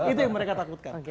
itu yang mereka takutkan